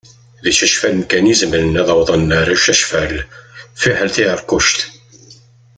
D icacfalen kan i izemren ad awḍen ar ucacfal, fiḥel tiεiṛkuct.